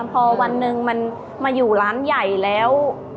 พอวันหนึ่งมันมาอยู่ร้านใหญ่แล้ว